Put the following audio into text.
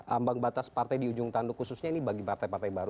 ambang batas partai di ujung tanduk khususnya ini bagi partai partai baru